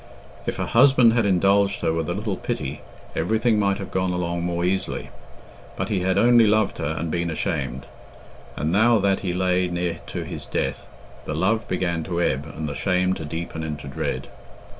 If her husband had indulged her with a little pity, everything might have gone along more easily. But he had only loved her and been ashamed. And now that he lay near to his death, the love began to ebb and the shame to deepen into dread.